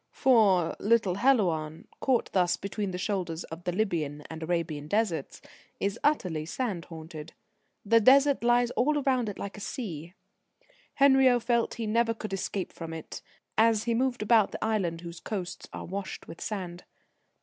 For little Helouan, caught thus between the shoulders of the Libyan and Arabian Deserts, is utterly sand haunted. The Desert lies all round it like a sea. Henriot felt he never could escape from it, as he moved about the island whose coasts are washed with sand.